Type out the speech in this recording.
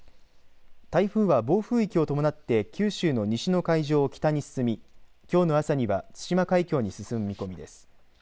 台風は暴風域を伴って九州の西の海上を北に進みきょうの朝には対馬海峡に進む見込みです。